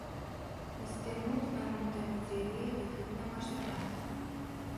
Este mult mai multă mizerie decât ne-am așteptat.